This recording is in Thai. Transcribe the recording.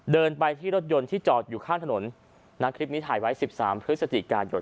เดินไปที่รถยนต์ที่จอดอยู่ข้างถนนนะคลิปนี้ถ่ายไว้สิบสามเพื่อสติการหยด